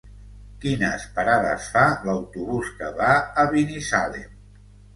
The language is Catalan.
Quines parades fa l'autobús que va a Binissalem?